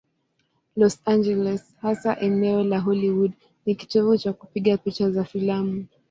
Los Angeles, hasa eneo la Hollywood, ni kitovu cha kupiga picha za filamu.